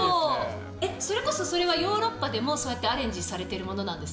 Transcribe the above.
それこそ、それはヨーロッパでもそうやってアレンジされているものなんです